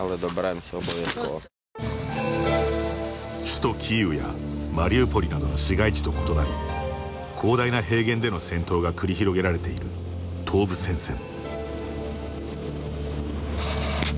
首都キーウやマリウポリなどの市街地と異なり広大な平原での戦闘が繰り広げられている東部戦線。